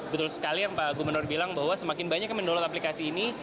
betul sekali yang pak gubernur bilang bahwa semakin banyak yang mendownload aplikasi ini